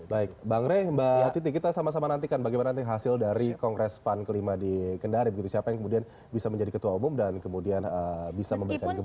baik bang rey mbak titi kita sama sama nantikan bagaimana nanti hasil dari kongres pan kelima di kendari begitu siapa yang kemudian bisa menjadi ketua umum dan kemudian bisa memberikan dukungan